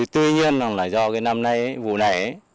tuy nhiên là do năm nay vụ này